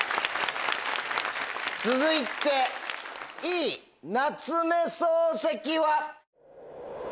続いてＥ夏目漱石は。